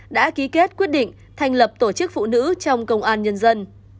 đã ký kết quyết định thành lập tổ chức phụ nữ trong công an nhân dân